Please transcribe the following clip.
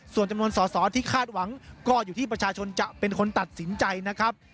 ส่วนจำนวนสอสอที่คาดหวังก็อยู่ที่ประชาชนจะเป็นคนตัดสินใจนะครับ